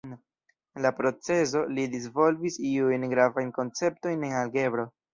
En la procezo, li disvolvis iujn gravajn konceptojn en algebro.